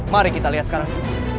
mari kita lihat sekarang